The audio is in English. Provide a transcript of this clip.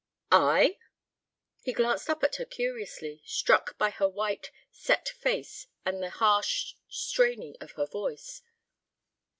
"I?" He glanced up at her curiously, struck by her white, set face and the harsh straining of her voice.